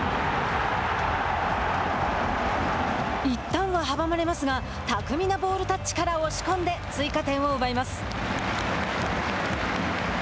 いったんは阻まれますが巧みなボールタッチから押し込んで追加点を奪います。